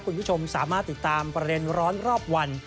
คุณผู้ชมสามารถติดตามประเด็นร้อนรอบวัน